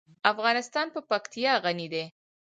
افغانستان په پکتیا غني دی.